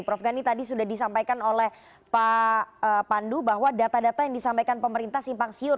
prof gani tadi sudah disampaikan oleh pak pandu bahwa data data yang disampaikan pemerintah simpang siur